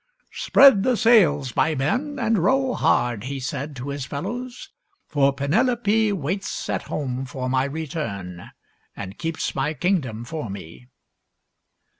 " Spread the sails, my men, and row hard," he said to his fellows; "for Penelope waits at home for my return, and keeps my kingdom for me."